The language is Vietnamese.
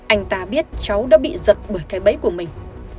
anh ta biết cháu đã bị giật bởi cái bẫy của mình